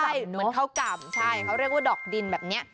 ใช่เหมือนข้าวก่ำใช่เขาเรียกว่าดอกดินแบบนี้